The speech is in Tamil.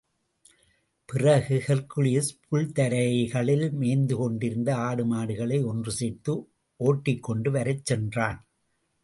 பிறகு, ஹெர்க்குலிஸ், புல் தரைகளில் மேய்ந்துகொண்டிருந்த ஆடு மாடுகளை ஒன்றுசேர்த்து ஓட்டிக் கொண்டு வரச் சென்றான்.